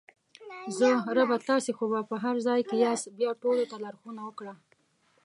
زه: ربه تاسې خو په هر ځای کې یاست بیا ټولو ته لارښوونه وکړه!